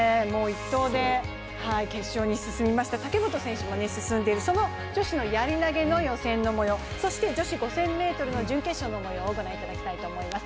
１投で決勝に進みました武本選手も決勝に進んでいるその女子のやり投の予選のもようそして女子５０００ｍの準決勝の模様をご覧いただきたいと思います。